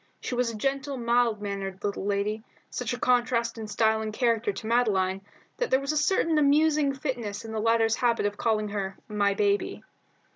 She was a gentle, mild mannered little lady, such a contrast in style and character to Madeline that there was a certain amusing fitness in the latter's habit of calling her "My baby."